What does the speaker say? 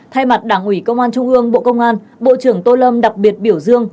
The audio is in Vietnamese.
thay mặt đảng ủy công an trung ương bộ công an bộ trưởng tô lâm đặc biệt biểu dương